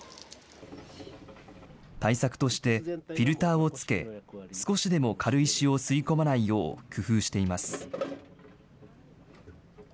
対策として、フィルターを付け、少しでも軽石を吸い込まないよう工夫しています。